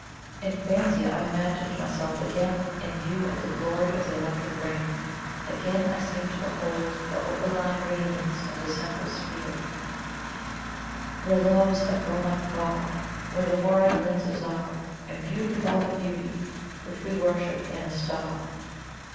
In fancy I imagined myself again in view of the glory of the Electric Ring again I seemed to behold the opaline radiance of the Central Sphere: "Where Love's a grown up God, Where the Houri glances are Imbued with all the beauty Which we worship in a star."